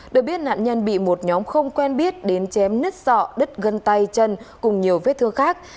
được biết nạn nhân bị một nhóm không quen biết đến chém nứt sọ đứt gân tay chân cùng nhiều vết thương khác